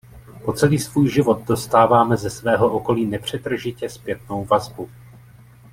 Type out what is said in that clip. Po celý svůj život dostáváme ze svého okolí nepřetržitě zpětnou vazbu.